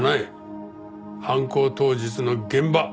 犯行当日の現場